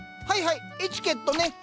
はいはいエチケットね。